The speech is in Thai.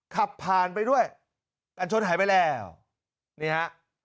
ขับผ่านไปด้วยกันชนหายไปแล้วนี่ฮะ